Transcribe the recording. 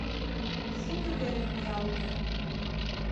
Шуко вере миялте.